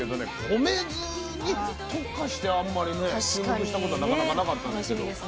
米酢に特化してあんまりね注目したことなかなかなかったんですけど。